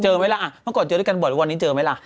ไหมล่ะเมื่อก่อนเจอด้วยกันบ่อยทุกวันนี้เจอไหมล่ะ